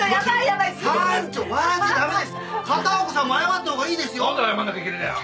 なんで謝んなきゃいけねえんだよ？